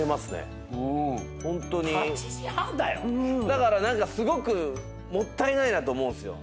⁉だからすごくもったいないなと思うんすよ。